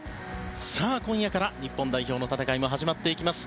さあ、今夜から日本代表の戦いが始まっていきます。